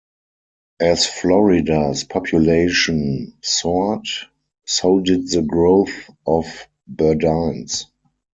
As Florida's population soared, so did the growth of Burdines.